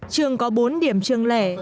trường có bốn điểm trường lẻ